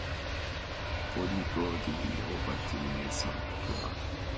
Body broadly oval to circular.